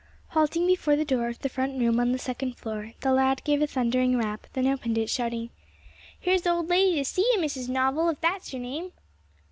Halting before the door of the front room on the second floor, the lad gave a thundering rap, then opened it, shouting, "Here's a old lady to see ye, Mrs. Novel; if that's yer name."